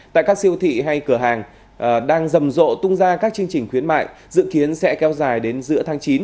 tại các siêu thị hay cửa hàng đang rầm rộ tung ra các chương trình khuyến mại dự kiến sẽ kéo dài đến giữa tháng chín